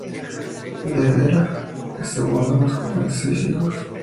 Debra es la segunda más joven de seis hijos.